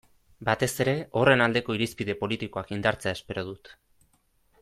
Batez ere horren aldeko irizpide politikoak indartzea espero dut.